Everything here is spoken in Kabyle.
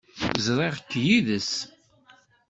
Ẓriɣ-k yid-s.